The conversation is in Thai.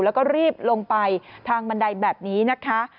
แล้วก็รีบลงไปทางบันไดแบบนี้นะคะ